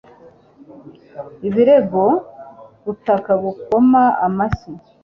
ibirego gutaka gukoma amashyi